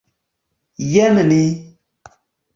Jen ni!